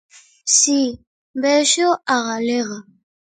Si, vexo a galega.